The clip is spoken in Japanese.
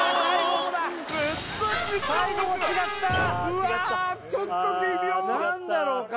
うわちょっと微妙何だろうか？